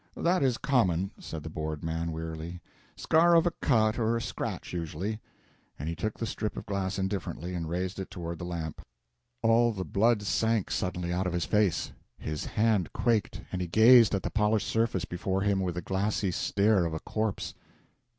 "That is common," said the bored man, wearily. "Scar of a cut or a scratch, usually" and he took the strip of glass indifferently, and raised it toward the lamp. All the blood sunk suddenly out of his face; his hand quaked, and he gazed at the polished surface before him with the glassy stare of a corpse.